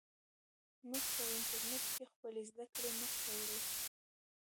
موږ په انټرنیټ کې خپلې زده کړې مخ ته وړو.